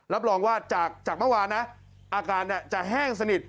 รับรองว่าจากเมื่อวานนะอาการจะแห้งสนิท